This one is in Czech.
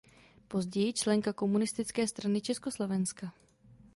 Později členka Komunistické strany Československa.